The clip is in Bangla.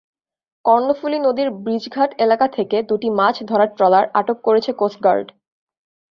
কর্ণফুলী নদীর ব্রিজঘাট এলাকা থেকে দুটি মাছ ধরার ট্রলার আটক করেছে কোস্টগার্ড।